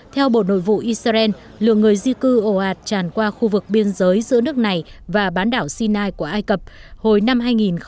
theo bộ nội vụ israel lượng người di cư ồ ạt tràn qua khu vực biên giới giữa nước này và bán đảo sinai của ai cập hồi năm hai nghìn một mươi tám